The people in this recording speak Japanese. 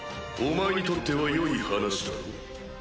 お前にとっては良い話だろう？